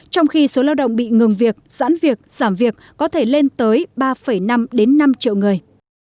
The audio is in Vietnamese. trong khi số lao động bị ngừng việc giãn việc giảm việc có thể lên tới ba năm đến năm triệu người